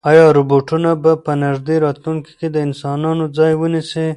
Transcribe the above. ایا روبوټونه به په نږدې راتلونکي کې د انسانانو ځای ونیسي؟